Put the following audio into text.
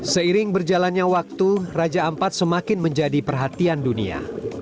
seiring berjalannya waktu raja ampat semakin menjadi perhatian dunia